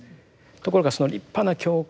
ところが立派な教会